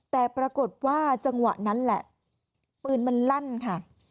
แต่ปรากฏว่าจังหวะนั้นแหละปืนมันลั่นค่ะ